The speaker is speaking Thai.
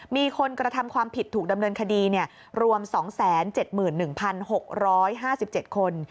มีคนกระทำความผิดถูกดำเนินคดีรวม๒๗๑๖๕๗คน